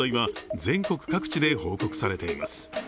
未払い問題は全国各地で報告されています。